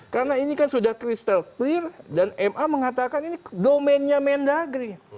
karena ini sudah crystal clear dan ma mengatakan ini domainnya mendagri